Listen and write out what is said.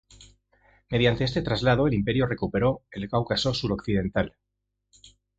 Mediante este tratado, el imperio recuperó el Cáucaso suroccidental.